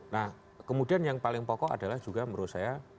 nah kemudian yang paling pokok adalah juga menurut saya